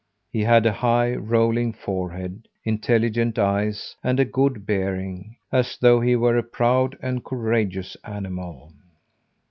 He had a high, rolling forehead, intelligent eyes, and a good bearing as though he were a proud and courageous animal.